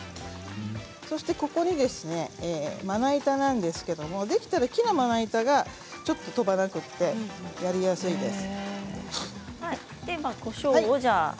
そして、ここまな板なんですけれどできたら木のまな板が飛ばなくてやりやすいです。